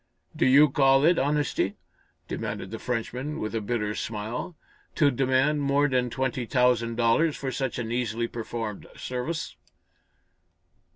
"Do you call it honesty," demanded the Frenchman, with a bitter smile, "to demand more than twenty thousand dollars for such an easily performed service?"